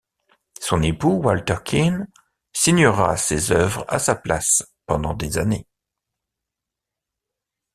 Son époux, Walter Keane, signera ses œuvres à sa place pendant des années.